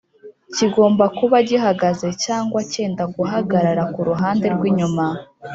kigomba kuba gihagaze cyangwa cyenda guhagarara ku ruhande rw'inyuma